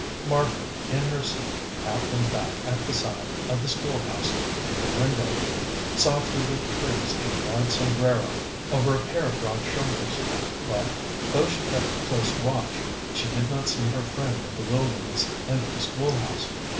Margaret, in her seat half way back at the side of the school house near a window, saw through the trees a wide sombrero over a pair of broad shoulders; but, though she kept close watch, she did not see her friend of the wilderness enter the school house.